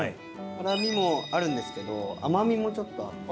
辛みもあるんですけど甘みもちょっとあって。